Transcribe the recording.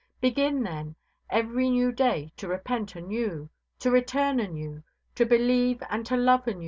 Begin, then, every new day to repent anew, to return anew, to believe and to love anew.